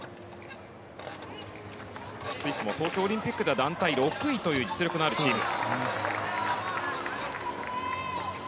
スイスも東京オリンピックでは団体６位という実力のあるチーム。